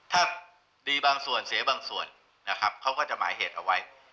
ถ้าดีบางส่วนเสียบางส่วนนะครับเขาก็จะหมายเหตุเอาไว้